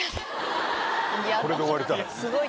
これで終わりたい。